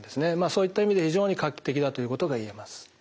そういった意味で非常に画期的だということがいえます。